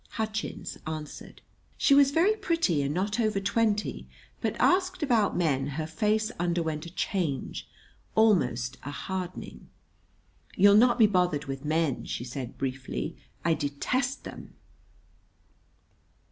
Hutchins answered. She was very pretty and not over twenty; but, asked about men, her face underwent a change, almost a hardening. "You'll not be bothered with men," she said briefly. "I detest them!"